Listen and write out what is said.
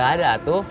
ya gak ada tuh